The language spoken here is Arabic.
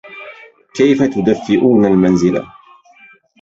كيف تدفئون المنزل؟